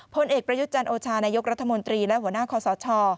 พลเอกประยุทธ์จันโอชานายกรัฐมนตรีและหัวหน้าคอสช